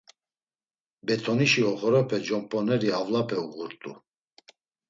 Betonişi oxorepe comp̌oneri avlape uğurt̆u.